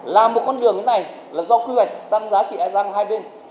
làm một con đường như thế này là do quy hoạch tăng giá trị e răng hai bên